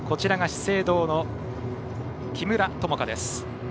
資生堂の木村友香です。